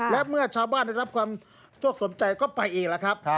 และเมื่อชาวบ้านได้รับความโชคสมใจก็ไปเองแล้วครับ